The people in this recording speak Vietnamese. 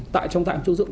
trong tạm trung dụng